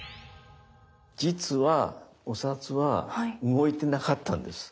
実はお札は動いてなかったんです。